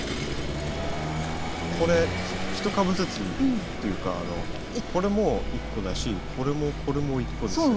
これ１株ずつというかこれも１個だしこれもこれも１個ですよね。